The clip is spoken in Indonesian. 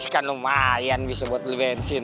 kan lumayan bisa buat beli bensin